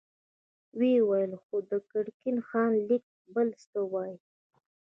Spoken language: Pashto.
ويې ويل: خو د ګرګين خان ليک بل څه وايي.